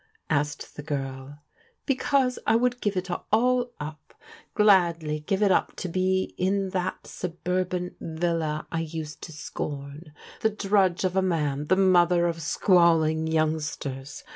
'asked die girL *" Because I woold give it all up^ gladly give it up to be in that scbcrban villa I used to scorn, the drudge of a man. ibe caocber of squalling youngsters